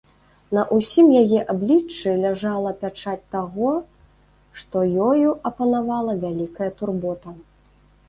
На ўсім яе абліччы ляжала пячаць таго, што ёю апанавала вялікая турбота.